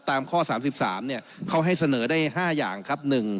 ตามข้อ๓๓เขาให้เสนอได้๕อย่างครับ